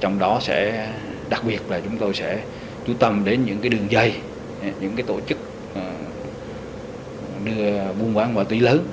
trong đó sẽ đặc biệt là chúng tôi sẽ chú tâm đến những đường dây những tổ chức buôn bán ma túy lớn